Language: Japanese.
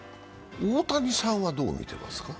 大谷さんはどう見てますか？